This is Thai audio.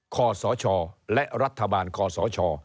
ขอสอช่อและรัฐบาลขอสอช่อ